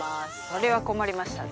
それは困りましたね。